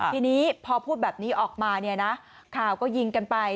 ทีนี้พอพูดแบบนี้ออกมาเนี่ยนะข่าวก็ยิงกันไป